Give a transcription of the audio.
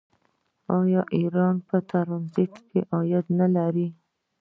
آیا ایران په ټرانزیټ کې عاید نلري؟